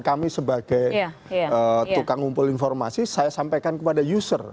kami sebagai tukang ngumpul informasi saya sampaikan kepada user